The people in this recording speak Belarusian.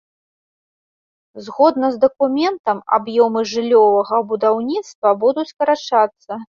Згодна з дакументам, аб'ёмы жыллёвага будаўніцтва будуць скарачацца.